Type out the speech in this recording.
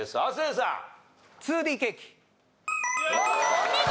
お見事！